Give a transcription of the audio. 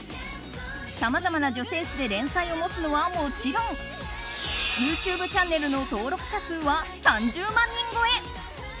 さまざまな女性誌で連載を持つのはもちろんＹｏｕＴｕｂｅチャンネルの登録者数は３０万人超え。